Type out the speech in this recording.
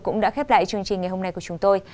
cũng đã khép lại chương trình ngày hôm nay của chúng tôi